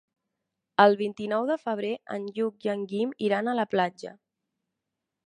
El vint-i-nou de febrer en Lluc i en Guim iran a la platja.